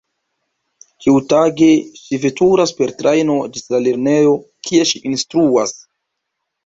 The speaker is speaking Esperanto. Ĉiutage ŝi veturas per trajno ĝis la lernejo, kie ŝi instruas.